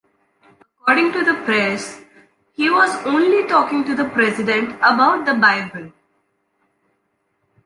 According to the press, he was only talking to the President about the Bible.